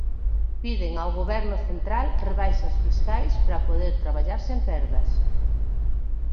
Piden ao goberno central rebaixas fiscais para poder traballar sen perdas.